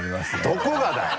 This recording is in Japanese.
どこがだよ！